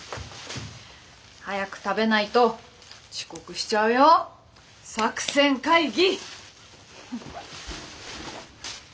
早く食べないと遅刻しちゃうよ作戦会議！